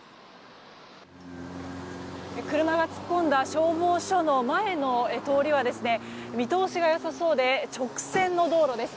車が突っ込んだ消防署の前の通りは見通しが良さそうで直線の道路です。